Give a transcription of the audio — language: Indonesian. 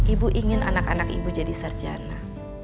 ibu ingin anak anak ibu jadi sarjana